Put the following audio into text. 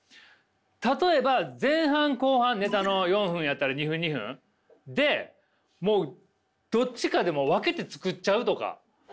例えば前半後半ネタの４分やったら２分２分でもうどっちかで分けて作っちゃうとか。